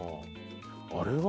あれは？